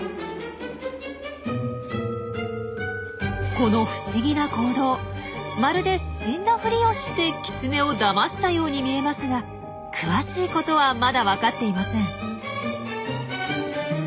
この不思議な行動まるで死んだふりをしてキツネをだましたように見えますが詳しいことはまだ分かっていません。